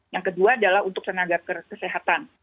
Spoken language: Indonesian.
yang kedua adalah untuk tenaga kesehatan